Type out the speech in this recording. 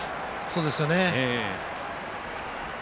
そうですよね。